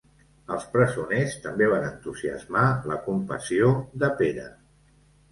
Els presoners també van entusiasmar la compassió de Pere.